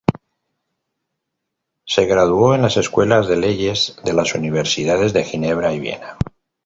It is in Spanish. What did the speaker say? Se graduó en las escuelas de leyes de las universidades de Ginebra y Viena.